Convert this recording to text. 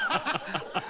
ハハハハ！